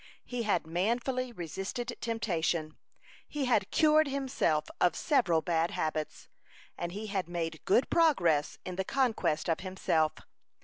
He had manfully resisted temptation; he had cured himself of several bad habits, and he had made good progress in the conquest of himself.